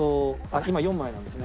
今４枚なんですね。